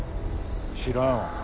知らんわ。